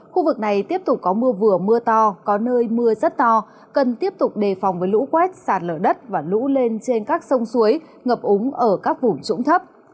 khu vực này tiếp tục có mưa vừa mưa to có nơi mưa rất to cần tiếp tục đề phòng với lũ quét sạt lở đất và lũ lên trên các sông suối ngập úng ở các vùng trũng thấp